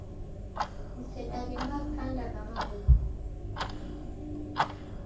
Msedaghe makanda gha maghuwa.